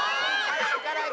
辛い